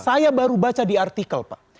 saya baru baca di artikel pak